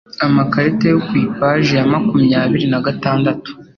Amakarita yo ku ipaji ya makumyabiri nagatandatu